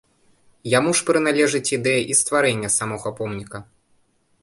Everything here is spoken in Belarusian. Яму ж прыналежыць ідэя і стварэння самага помніка.